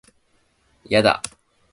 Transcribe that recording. いやだ